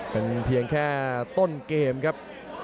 เป็นเพียงแค่ต้นเกมครับ